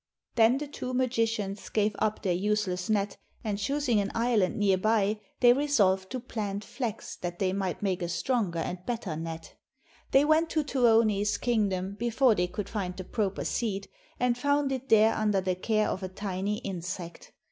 Then the two magicians gave up their useless net, and, choosing an island near by, they resolved to plant flax that they might make a stronger and better net. They went to Tuoni's kingdom before they could find the proper seed, and found it there under the care of a tiny insect.